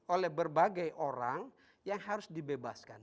oleh berbagai orang yang harus dibebaskan